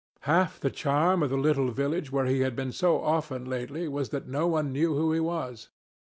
Half the charm of the little village where he had been so often lately was that no one knew who he was.